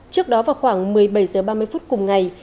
trước đó vào khoảng một mươi bảy h ba mươi phút cùng ngày